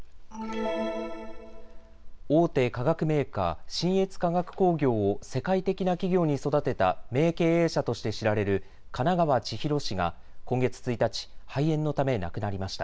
大手化学メーカー、信越化学工業を世界的な企業に育てた名経営者として知られる金川千尋氏が今月１日、肺炎のため亡くなりました。